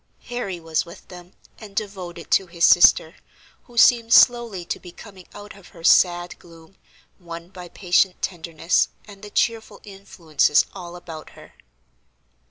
Harry was with them, and devoted to his sister, who seemed slowly to be coming out of her sad gloom, won by patient tenderness and the cheerful influences all about her.